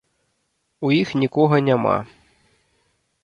У іх нікога няма.